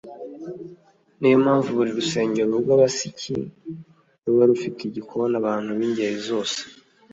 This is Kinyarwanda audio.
ni yo mpamvu buri rusengero rw’abasiki ruba rufite igikoni abantu b’ingeri zose